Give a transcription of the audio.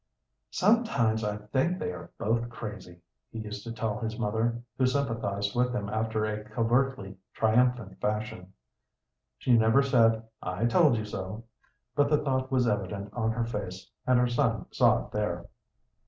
"Sometimes I think they are both crazy," he used to tell his mother, who sympathized with him after a covertly triumphant fashion. She never said, "I told you so," but the thought was evident on her face, and her son saw it there.